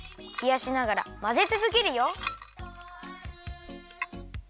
ひやしながらまぜつづけるよ。